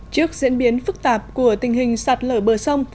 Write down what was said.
trước diễn biến phức tạp của tình hình sạt lở bờ sông